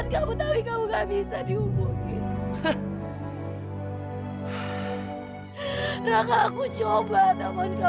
sampai jumpa di video selanjutnya